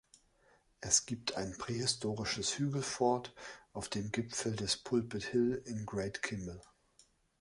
Es gibt ein prähistorisches Hügelfort auf dem Gipfel des Pulpit Hill in Great Kimble.